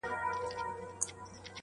o چي يوه لپه ښكلا يې راته راكړه.